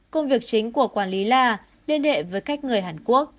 công việc chính của quản lý là liên hệ với cách người hàn quốc